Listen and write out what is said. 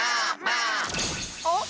あっ！